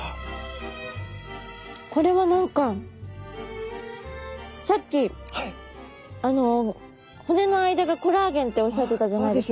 これは何かさっきあの骨の間がコラーゲンっておっしゃってたじゃないですか。